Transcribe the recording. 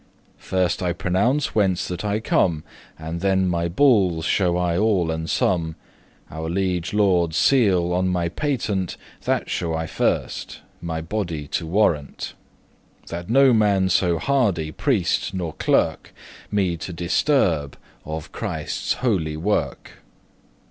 <3> First I pronounce whence that I come, And then my bulles shew I all and some; Our liege lorde's seal on my patent, That shew I first, *my body to warrent,* *for the protection That no man be so hardy, priest nor clerk, of my person* Me to disturb of Christe's holy werk.